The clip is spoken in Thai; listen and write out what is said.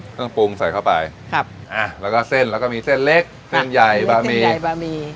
เครื่องปรุงใส่เข้าไปครับอ่ะแล้วก็เส้นแล้วก็มีเส้นเล็กเส้นใหญ่บะหมี่ใหญ่บะหมี่